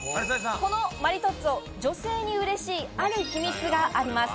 このマリトッツォ、女性にうれしいある秘密があります。